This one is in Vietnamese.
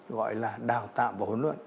gọi là đào tạo và huấn luyện